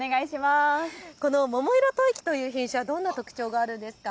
この桃色吐息という品種はどんな特徴があるんですか。